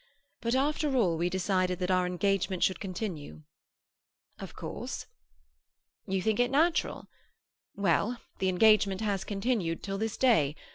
But after all we decided that our engagement should continue." "Of course." "You think it natural? Well, the engagement has continued till this day.